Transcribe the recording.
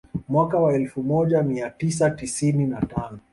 Mwaka wa elfu moja mia tisa tisini na tano